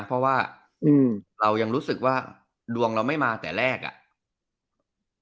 เพราะว่าเรายังรู้สึกว่าดวงเราไม่มาแต่แรกอ่ะ